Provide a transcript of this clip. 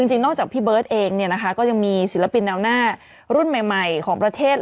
จริงนอกจากพี่เบิร์ตเองเนี่ยนะคะก็ยังมีศิลปินแนวหน้ารุ่นใหม่ของประเทศ